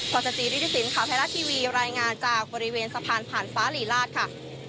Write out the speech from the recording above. ขอบคุณคุณพลอยสจีนะคะ